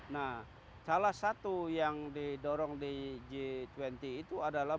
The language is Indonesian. nah salah satu yang didorong di g dua puluh itu adalah